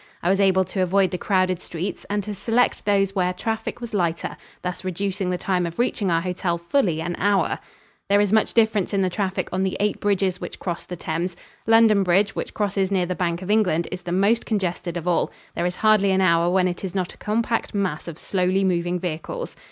I was able to avoid the crowded streets and to select those where traffic was lighter, thus reducing the time of reaching our hotel fully an hour. There is much difference in the traffic on the eight bridges which cross the Thames. London Bridge, which crosses near the Bank of England, is the most congested of all. There is hardly an hour when it is not a compact mass of slowly moving vehicles.